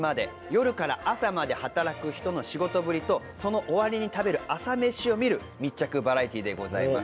夜から朝まで働く人の仕事ぶりとその終わりに食べる朝メシを見る密着バラエティーでございます。